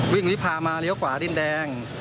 วิ่งวิพามาเลี้ยวขวาดินแดง